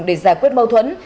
để giải quyết mâu thuẫn